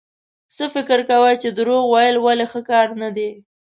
څه فکر کوئ چې دروغ ويل ولې ښه کار نه دی؟